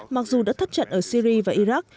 mặc dù đã thất trận ở syria và iraq